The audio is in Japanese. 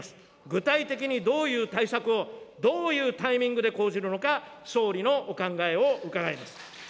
具体的にどういう対策を、どういうタイミングで講じるのか、総理のお考えを伺います。